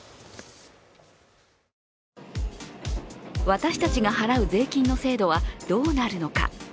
私たちが払う税金の制度はどうなるのか。